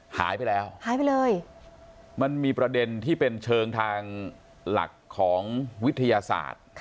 หายไปแล้วหายไปเลยมันมีประเด็นที่เป็นเชิงทางหลักของวิทยาศาสตร์